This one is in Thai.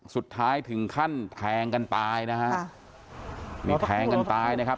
สุดท้ายถึงขั้นแทงกันตายนะฮะค่ะนี่แทงกันตายนะครับ